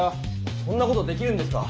そんな事できるんですか？